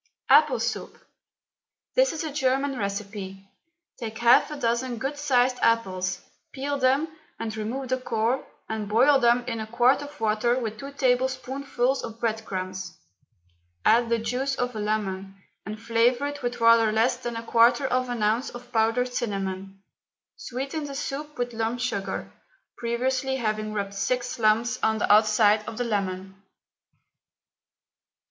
APPLE SOUP. This is a German recipe. Take half a dozen good sized apples, peel them and remove the core, and boil them in a quart of water with two tablespoonfuls of bread crumbs; add the juice of a lemon, and flavour it with rather less than a quarter of an ounce of powdered cinnamon; sweeten the soup with lump sugar, previously having rubbed six lumps on the outside of the lemon.